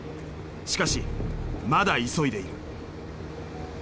しかしまだ急いでいる。